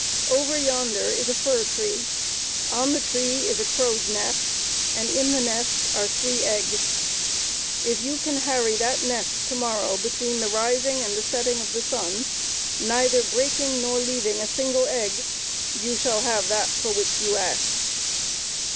Over yonder is a fir tree; on the tree is a crow's nest, and in the nest are three eggs. If you can harry that nest to morrow between the rising and the setting of the sun, neither breaking nor leaving a single egg, you shall have that for which you ask."